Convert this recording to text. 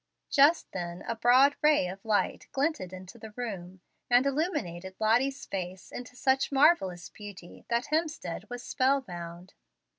Just then a broad ray of light glinted into the room, and illuminated Lottie's face into such marvellous beauty that Hemstead was spell bound.